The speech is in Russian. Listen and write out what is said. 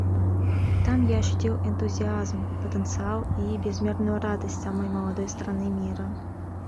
Там я ощутил энтузиазм, потенциал и безмерную радость самой молодой страны мира.